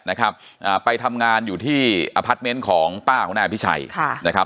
นะครับอ่าไปทำงานอยู่ที่อพาร์ทเมนต์ของป้าของนายอภิชัยค่ะนะครับ